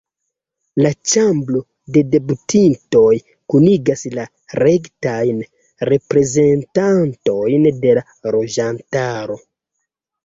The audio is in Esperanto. La Ĉambro de Deputitoj kunigas la rektajn reprezentantojn de la loĝantaro.